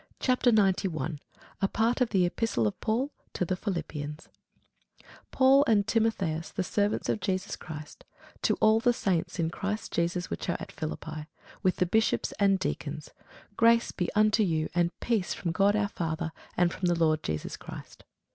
CHAPTER 91 A PART OF THE EPISTLE OF PAUL TO THE PHILIPPIANS [Sidenote: Philippians 1] PAUL and Timotheus, the servants of Jesus Christ, to all the saints in Christ Jesus which are at Philippi, with the bishops and deacons: grace be unto you, and peace, from God our Father, and from the Lord Jesus Christ.